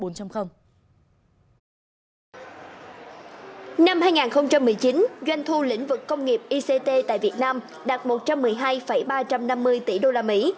năm hai nghìn một mươi chín doanh thu lĩnh vực công nghiệp ict tại việt nam đạt một trăm một mươi hai ba trăm năm mươi tỷ đô la mỹ